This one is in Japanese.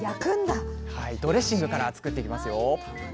ドレッシングから作っていきますよ